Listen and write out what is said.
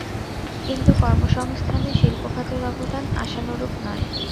কিন্তু কর্মসংস্থানে শিল্প খাতের অবদান আশানুরূপ নয়।